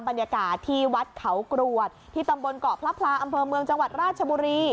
บรรยากาศที่วัดเขากรวดที่ตำบลเกาะพระพลาอำเภอเมืองจังหวัดราชบุรี